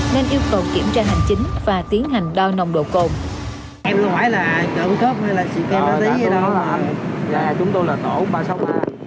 nên yêu cầu kiểm tra hành chính và tiến hành đo nồng độ cồn